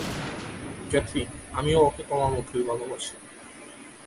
Kathy, আমিও ওকে তোমার মতই ভালোবাসি।